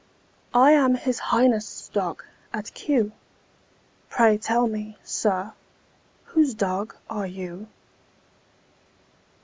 I am His Highness' dog at Kew; Pray tell me, sir, whose dog are you?